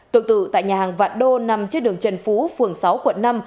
tương tự tại nhà hàng vạn đô nằm trên đường trần phú phường sáu quận năm